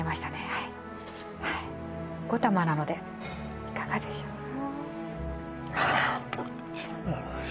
はい５玉なのでいかがでしょうか？